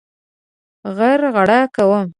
غرغړه کوم.